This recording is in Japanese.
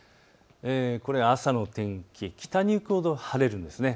これは朝の天気、北に行くほど晴れるんです。